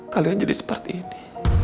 kalian jadi seperti ini